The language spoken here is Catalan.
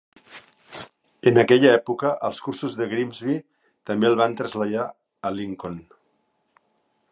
En aquella època, els cursos de Grimsby també els van traslladar a Lincoln.